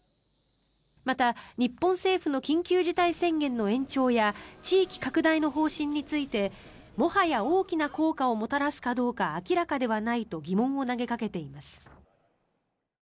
また、日本政府の緊急事態宣言の延長や地域拡大の方針についてもはや大きな効果をもたらすかどうか明らかではないと疑問を投げかけています。